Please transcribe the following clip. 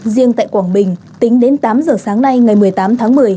riêng tại quảng bình tính đến tám giờ sáng nay ngày một mươi tám tháng một mươi